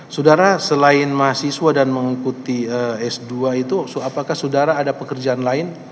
saudara selain mahasiswa dan mengikuti s dua itu apakah saudara ada pekerjaan lain